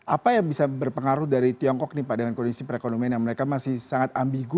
apa yang bisa berpengaruh dari tiongkok nih pak dengan kondisi perekonomian yang mereka masih sangat ambigu